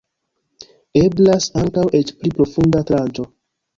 Eblas ankaŭ eĉ pli profunda tranĉo.